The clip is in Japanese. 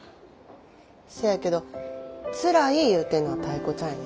せやけどつらい言うてんのはタイ子ちゃんやで。